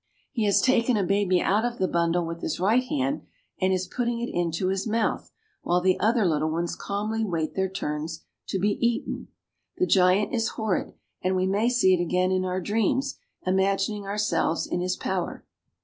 He has taken a baby out of the bundle with his right hand, and is putting it into his mouth, while the other little ones calmly wait their turns to be eaten. The " We visit the bear v giant is horrid, and we may see it again in our dreams, imagining ourselves in his power.